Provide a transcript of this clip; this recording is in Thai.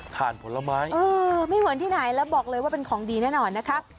ถ่านผลไม้ไม่เหมือนที่ไหนแล้วบอกเลยว่าเป็นของดีแน่นอนนะคะ